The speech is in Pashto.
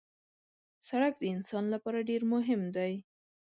سړک د انسان لپاره ډېر مهم دی.